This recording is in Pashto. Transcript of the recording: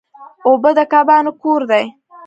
اوبه د کبانو کور دی.